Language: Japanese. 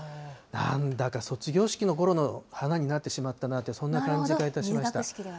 なんだか卒業式のころの花になってしまったなと、そんな感じがいたしました。